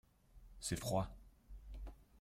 c'est froid.